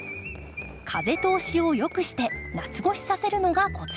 風通しをよくして夏越しさせるのがコツ。